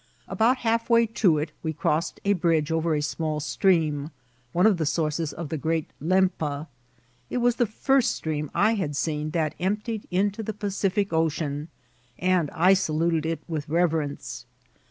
About half way to it we cross ed a bridge over a small stream, one of the sources of the great Lempa. It was the first stream I had seen that emptied into the Pacific Ocean, and I saluted it with reverence.